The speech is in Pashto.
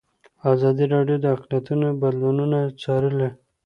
ازادي راډیو د اقلیتونه بدلونونه څارلي.